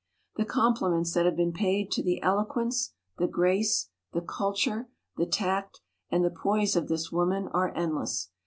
The compliments that have been paid to the eloquence, the grace, the culture, the tact, and the poise of this woman are end less.